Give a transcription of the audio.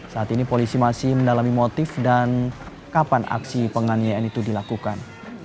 saat ini polisi masih mendalami motif dan kapan aksi penganiayaan itu dilakukan